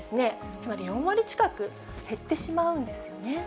つまり４割近く減ってしまうんですよね。